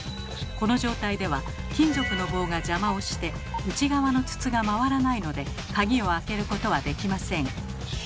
この状態では金属の棒が邪魔をして内側の筒が回らないので鍵を開けることはできません。